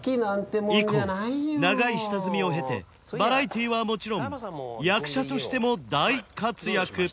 以降長い下積みを経てバラエティーはもちろん役者としても大活躍